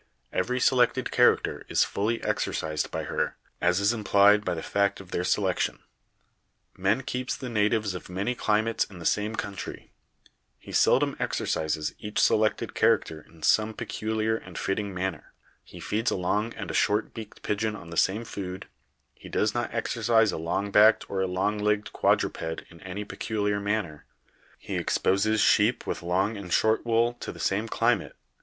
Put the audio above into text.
Every selected character is fully exercised by her, as is implied by the fact of their selec tion. Man keeps the natives of many climates in the same country; he seldom exercises each selected charac ter in some peculiar and fitting manner; he feeds a long and a short beaked pigeon on the same food; he does not exercise a long backed or long legged quadruped in any peculiar manner; he exposes sheep with long and short wool to the same climate.